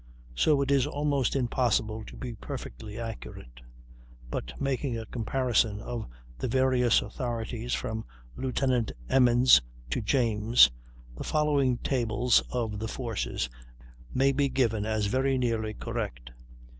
So it is almost impossible to be perfectly accurate; but, making a comparison of the various authorities from Lieutenant Emmons to James, the following tables of the forces may be given as very nearly correct.